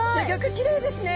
きれいですね。